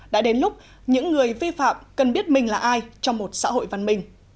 đã đến lúc những người vi phạm cần biết mình là ai trong một xã hội văn minh